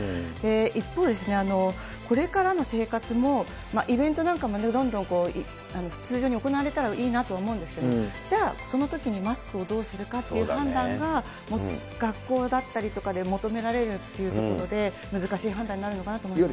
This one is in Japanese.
一方、これからの生活も、イベントなんかもどんどん通常に行われたらいいなとは思うんですけれども、じゃあ、そのときにマスクをどうするかっていう判断が、学校だったりとかで、求められるっていうところで、難しい判断になるのかなと思いますね。